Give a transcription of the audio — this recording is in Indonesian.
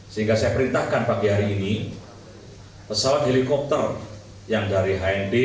sehingga saya perintahkan pagi hari ini pesawat helikopter yang dari hnb